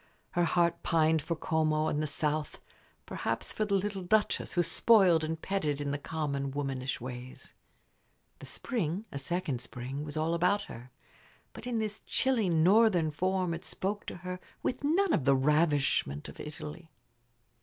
Her heart pined for Como and the south; perhaps for the little Duchess, who spoiled and petted her in the common, womanish ways. The spring a second spring was all about her; but in this chilly northern form it spoke to her with none of the ravishment of Italy.